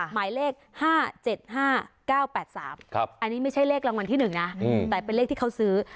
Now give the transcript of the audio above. หมายเลข๕๗๕๙๘๓อันนี้ไม่ใช่เลขรางวัลที่๑นะแต่เป็นเลขที่เขาซื้อ